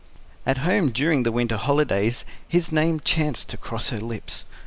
At home during the winter holidays, his name chanced to cross her lips.